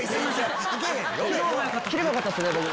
切ればよかったっすね。